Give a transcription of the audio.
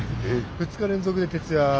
２日連続で徹夜ですね。